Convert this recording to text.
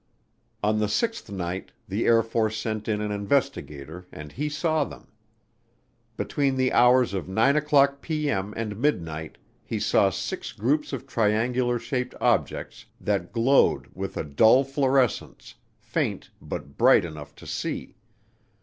On the sixth night, the Air Force sent in an investigator and he saw them. Between the hours of 9:00P.M. and midnight he saw six groups of triangular shaped objects that glowed "with a dull fluorescence, faint but bright enough to see."